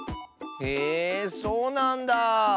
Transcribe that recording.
えそうなんだ。